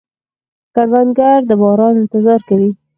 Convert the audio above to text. کروندګر د باران انتظار کوي